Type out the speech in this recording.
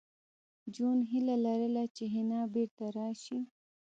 جون هیله لرله چې حنا بېرته راشي